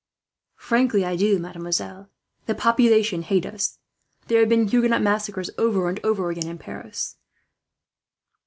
"Frankly I do, mademoiselle. The population hate us. There have been Huguenot massacres over and over again in Paris.